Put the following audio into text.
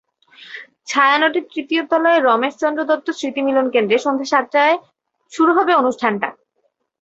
ছায়ানটের তৃতীয় তলায় রমেশচন্দ্র দত্ত স্মৃতি মিলনকেন্দ্রে সন্ধ্যা সাতটায় শুরু হবে অনুষ্ঠানটি।